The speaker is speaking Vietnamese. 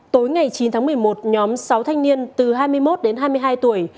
tối ngày chín tháng một mươi một nhóm sáu thanh niên từ hai mươi một đến hai mươi hai tuổi